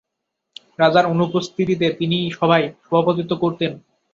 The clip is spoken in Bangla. রাজার অনুপস্থিতিতে তিনিই সভায় সভাপতিত্ব করতেন।